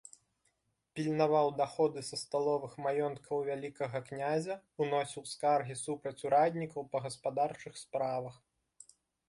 Пільнаваў даходы са сталовых маёнткаў вялікага князя, уносіў скаргі супраць ураднікаў па гаспадарчых справах.